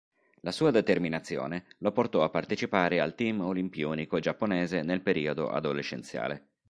La sua determinazione lo portò a partecipare al team olimpionico giapponese nel periodo adolescenziale.